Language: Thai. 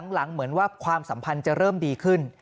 หลังเหมือนว่าความสัมพันธ์จะเริ่มดีขึ้น